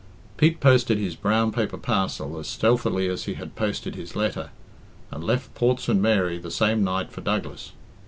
Pete posted his brown paper parcel as stealthily as he had posted his letter, and left Port St. Mary the same night for Douglas.